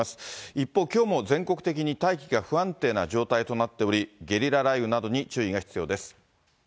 一方、きょうも全国的に大気が不安定な状態となっており、ゲリラ雷雨などに注意が必要です。